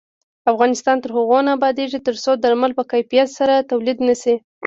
افغانستان تر هغو نه ابادیږي، ترڅو درمل په کیفیت سره تولید نشي.